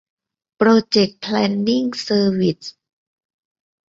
โปรเจค แพลนนิ่ง เซอร์วิส